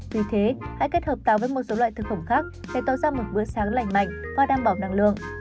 vì thế hãy kết hợp tàu với một số loại thực phẩm khác để tạo ra một bữa sáng lành mạnh và đảm bảo năng lượng